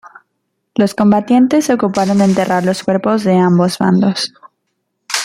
Los combatientes se ocuparon de enterrar los cuerpos de ambos bandos.